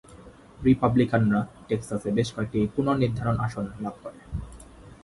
রিপাবলিকানরা টেক্সাসে বেশ কয়েকটি পুনঃনির্ধারণ আসন লাভ করে।